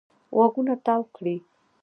غوږونه تاو کړي.